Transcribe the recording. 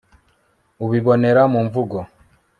ubibonera mu mvugo